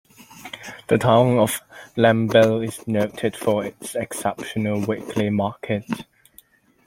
The town of Lamballe is noted for its exceptional weekly market.